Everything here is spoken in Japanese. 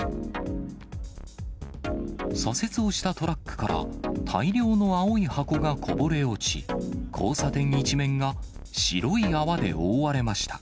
左折をしたトラックから大量の青い箱がこぼれ落ち、交差点一面が白い泡で覆われました。